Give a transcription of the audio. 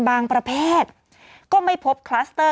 ประเภทก็ไม่พบคลัสเตอร์